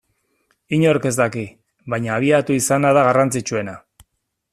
Inork ez daki, baina abiatu izana da garrantzitsuena.